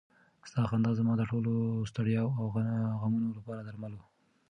ستا خندا زما د ټولو ستړیاوو او غمونو لپاره درمل و.